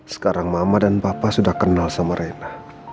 sekarang mama dan papa sudah kenal sama rena